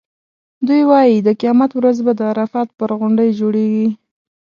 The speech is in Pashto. دوی وایي د قیامت ورځ به د عرفات پر غونډۍ جوړېږي.